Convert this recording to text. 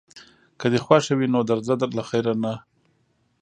که دې خوښه وي نو درځه له خیره، نه.